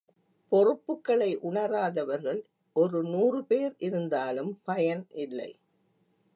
பொறுப்புக்களை உணராதவர்கள் ஒரு நூறுபேர் இருந்தாலும் பயன் இல்லை.